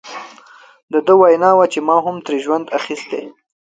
د ده وینا وه چې ما هم ترې ژوند اخیستی.